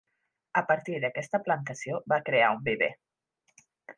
A partir d’aquesta plantació va crear un viver.